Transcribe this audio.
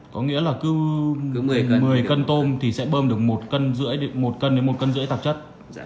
có nghĩa là cứ một mươi cân tôm thì sẽ bơm được một cân rưỡi một cân đến một cân rưỡi tạp chất